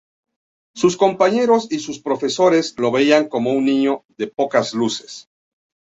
Sus compañeros y sus profesores lo veían como un niño de pocas luces.